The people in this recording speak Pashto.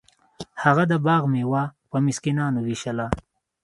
هغه د باغ میوه په مسکینانو ویشله.